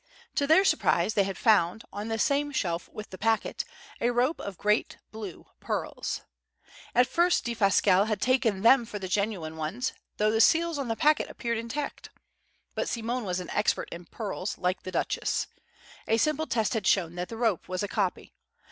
To their surprise they had found, on the same shelf with the packet, a rope of great blue pearls. At first Defasquelle had taken them for the genuine ones, though the seals on the packet appeared intact. But Simone was an expert in pearls, like the Duchess. A simple test had shown that the rope was a copy.